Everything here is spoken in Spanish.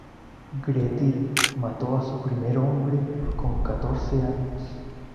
Grettir mató a su primer hombre con catorce años.